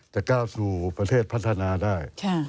ก้าวสู่ประเทศพัฒนาได้